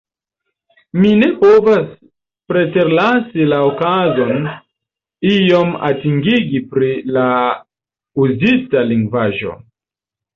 Mi ne povas preterlasi la okazon iom atentigi pri la uzita lingvaĵo.